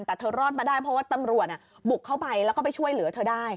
แต่เธอรอดมาได้เพราะว่าตำรวจบุกเข้าไปแล้วก็ไปช่วยเหลือเธอได้